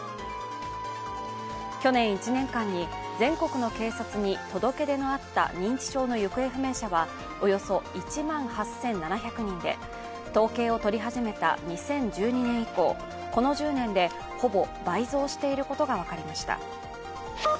去年１年間に全国の警察に届け出のあった認知症の行方不明者はおよそ１万８７００人で統計を取り始めた２０１２年以降この１０年でほぼ倍増していることが分かりました。